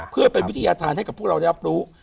เพื่อเป็นวิทยาธารให้กับพวกเราได้รับรู้